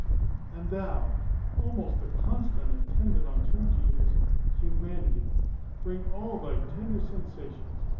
And thou, almost the constant attendant on true genius, Humanity, bring all thy tender sensations.